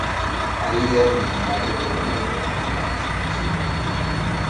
¿Hay ideas originales del gobierno en la Constitución?